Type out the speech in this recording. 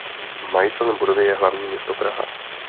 Majitelem budovy je Hlavní město Praha.